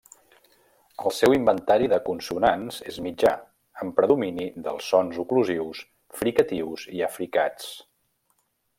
El seu inventari de consonants és mitjà, amb predomini dels sons oclusius, fricatius i africats.